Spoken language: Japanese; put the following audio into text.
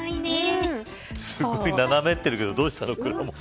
すごい斜めってるけどどうしたの、くらもん。